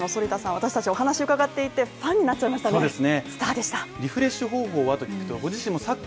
私達お話を伺っていてファンになっちゃいましたね